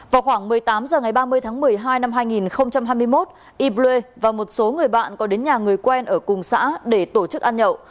vào khoảng một mươi tám h ngày ba mươi tháng một mươi hai năm hai nghìn hai mươi một y bre và một số người bạn có đến nhà người quen ở cùng xã để tổ chức ăn nhậu